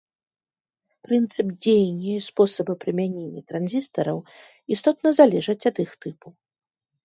Прынцып дзеяння і спосабы прымянення транзістараў істотна залежаць ад іх тыпу.